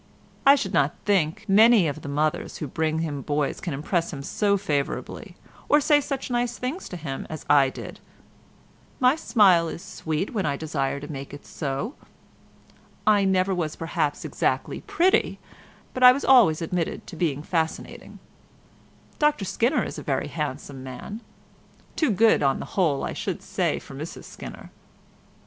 I should not think many of the mothers who bring him boys can impress him so favourably, or say such nice things to him as I did. My smile is sweet when I desire to make it so. I never was perhaps exactly pretty, but I was always admitted to be fascinating. Dr Skinner is a very handsome man—too good on the whole I should say for Mrs Skinner.